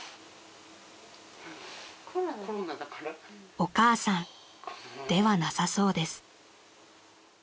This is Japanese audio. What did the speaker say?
［お母さんではなさそうです］